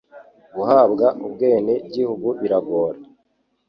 guhabwa ubwene gihugu biragora